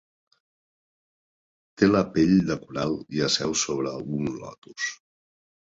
Té la pell de coral i asseu sobre un lotus.